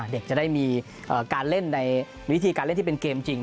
เด็กจะได้มีการเล่นในวิธีการเล่นที่เป็นเกมจริง